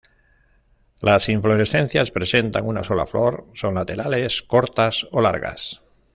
Las inflorescencias presentan una sola flor, son laterales, cortas o largas.